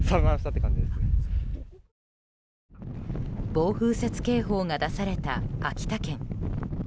暴風雪警報が出された秋田県。